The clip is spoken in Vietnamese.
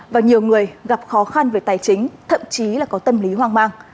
và nhiều người gặp khó khăn về tài chính thậm chí là có tâm lý hoang mang